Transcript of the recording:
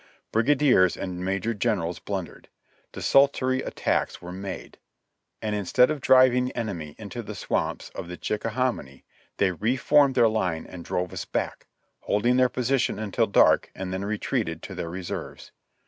Brigadiers and major generals blundered; desultory attacks were made; and instead of driving the enemy into the swamps of the Chicka hominy, they reformed their line and drove us back, holding their position until dark and then retreated to their reserves.